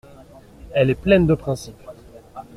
Elle est pleine de principes.